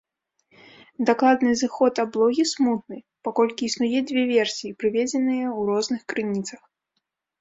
Дакладны зыход аблогі смутны, паколькі існуе дзве версіі, прыведзеныя ў розных крыніцах.